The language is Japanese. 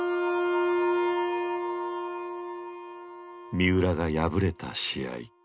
三浦が敗れた試合。